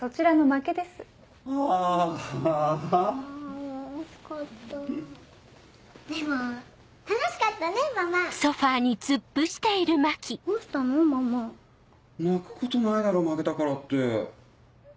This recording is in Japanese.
泣くことないだろ負けたからって。